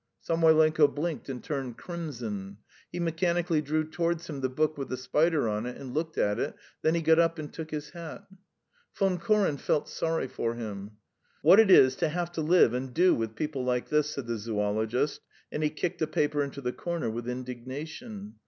Samoylenko blinked and turned crimson; he mechanically drew towards him the book with the spider on it and looked at it, then he got up and took his hat. Von Koren felt sorry for him. "What it is to have to live and do with people like this," said the zoologist, and he kicked a paper into the corner with indignation.